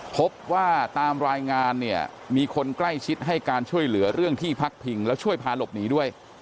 พบว่าตามรายงานเนี่ยมีคนใกล้ชิดให้การช่วยเหลือเรื่องที่พักพิงแล้วช่วยพาหลบหนีด้วย